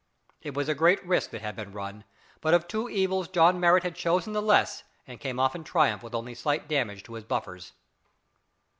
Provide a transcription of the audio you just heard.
It was a great risk that had been run; but of two evils John Marrot had chosen the less and came off in triumph with only a slight damage to his buffers.